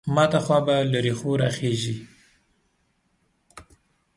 ماته خوا به له رېښو راخېژي.